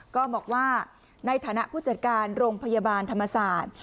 ก็บอกว่าในฐานะผู้จัดการโรงพยาบาลธรรมศาสตร์